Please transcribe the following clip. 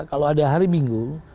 kalau ada hari minggu